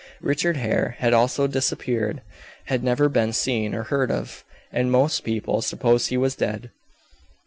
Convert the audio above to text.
Richard Hare had also disappeared had never been seen or heard of, and most people supposed he was dead.